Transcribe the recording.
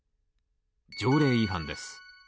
条例違反です。